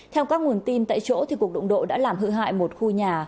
theo các nguồn tin tại chỗ cuộc đụng độ đã làm hư hại một khu nhà